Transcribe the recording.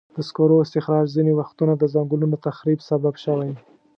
د سکرو استخراج ځینې وختونه د ځنګلونو تخریب سبب شوی.